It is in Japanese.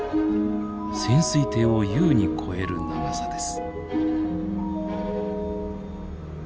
潜水艇を優に超える長さです。